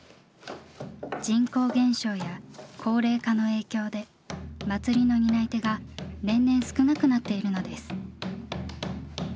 人口減少や高齢化の影響で祭りの担い手が年々少なくなっているのです。